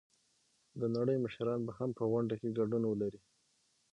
د نړۍ مشران به هم په غونډه کې ګډون ولري.